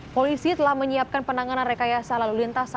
polisi telah menyiapkan penanganan rekayasa lalu lintas